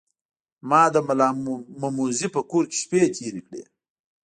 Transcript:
ما د ملامموزي په کور کې شپې تیرې کړې.